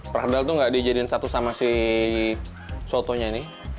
perkedel itu nggak dijadiin satu sama si sotonya ini